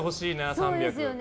３００。